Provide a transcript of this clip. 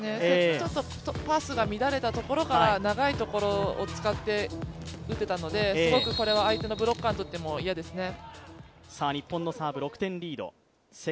ちょっとパスが乱れたところから長いところを使って打てたのですごく相手のブロッカーにとっても嫌ですね。